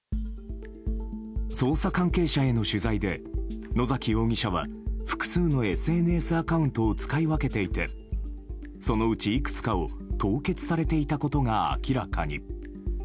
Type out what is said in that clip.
捜査関係者への取材で野崎容疑者は複数のＳＮＳアカウントを使い分けていてそのうち、いくつかを凍結されていたことが明らかに。